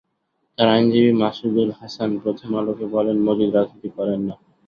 তাঁর আইনজীবী মাসুদুল হাসান প্রথম আলোকে বলেন, মজিদ রাজনীতি করেন না।